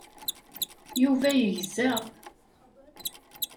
Yuba yegza.